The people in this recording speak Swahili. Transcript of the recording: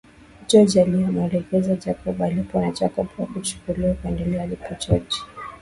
George alimuelekeza Jacob alipo na Jacob hakuchelewa akaenda alipo George